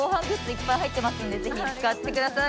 いっぱい入ってますんで是非使ってください。